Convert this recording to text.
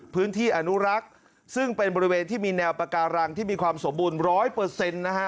อนุรักษ์ซึ่งเป็นบริเวณที่มีแนวปาการังที่มีความสมบูรณ์ร้อยเปอร์เซ็นต์นะฮะ